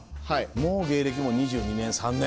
もう芸歴も２２３年。